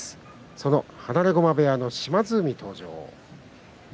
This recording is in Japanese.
その放駒部屋の島津海、登場です。